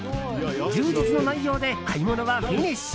充実の内容で買い物はフィニッシュ！